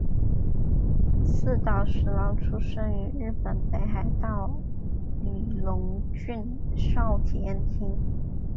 寺岛实郎出生于日本北海道雨龙郡沼田町。